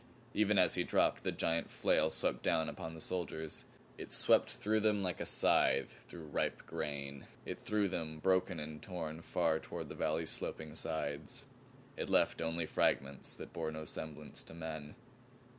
Even as he dropped, the giant flail swept down upon the soldiers. It swept through them like a scythe through ripe grain. It threw them, broken and torn, far toward the valley's sloping sides. It left only fragments that bore no semblance to men.